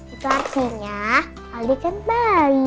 itu artinya adi kan baik